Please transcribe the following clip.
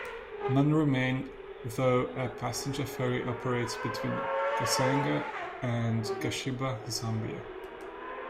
None remain, though a passenger ferry operates between Kasenga and Kashiba, Zambia.